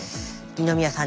二宮さん